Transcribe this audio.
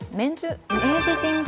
明治神宮